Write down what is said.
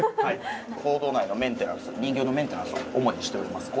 坑道内のメンテナンス人形のメンテナンスを主にしております